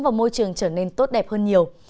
và môi trường trở nên tốt đẹp hơn nhiều